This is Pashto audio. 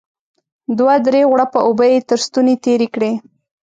دوه درې غوړپه اوبه يې تر ستوني تېرې کړې.